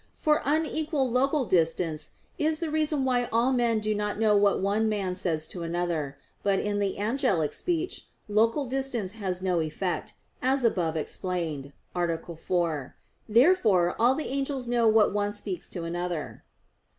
For unequal local distance is the reason why all men do not know what one man says to another. But in the angelic speech local distance has no effect, as above explained (A. 4). Therefore all the angels know what one speaks to another.